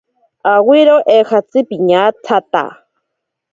Awiro eejatzi piñatsata.